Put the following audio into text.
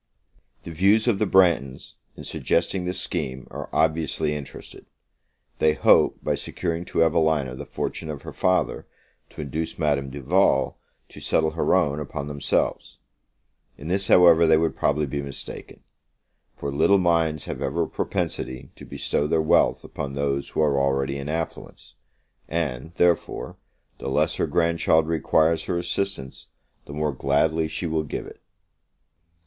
The views of the Branghtons, in suggesting this scheme, are obviously interested. They hope, by securing to Evelina the fortune of her father, to induce Madame Duval to settle her own upon themselves. In this, however, they would probably be mistaken; for little minds have ever a propensity to bestow their wealth upon those who are already in affluence; and, therefore, the less her grandchild requires her assistance, the more gladly she will give it.